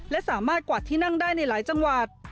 และสามารถกวาดที่นั่งได้ในหลายจังหวัด